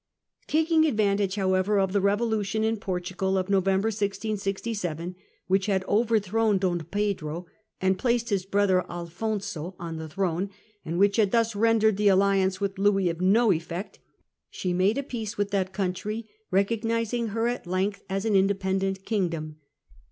Taking advantage however of the revolution in Portugal of November 1667, which had overthrown Don Pedro and placed his brother Alphonso on the Spain recog throne, and which had thus rendered the alli dependence ance with Louis of no effect, she made a peace Februanr* 1 * with ^at countr y» recognising her at length 1668. as an independent kingdom.